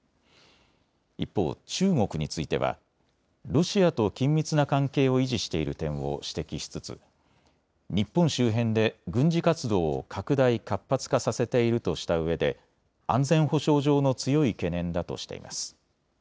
一方、中国についてはロシアと緊密な関係を維持している点を指摘しつつ日本周辺で軍事活動を拡大・活発化させているとしたうえで安全保障上の強い懸念だとしています。